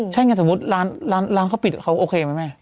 ใช่ไงสมมุติร้านเขาปิดเขาโอเคไหมแม่